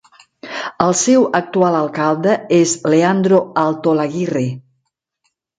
El seu actual alcalde és Leandro Altolaguirre.